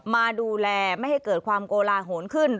มาดูแลไม่ให้เกิดความโกลาโหนขึ้น